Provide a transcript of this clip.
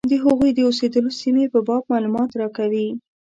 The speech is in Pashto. د هغوی د اوسېدلو سیمې په باب معلومات راکوي.